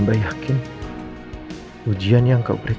apakah kamu bebas lebih badchristian dan baik elderly